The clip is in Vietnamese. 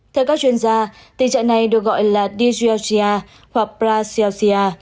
theo các chuyên gia tình trạng này được gọi là dysgeosia hoặc braseosia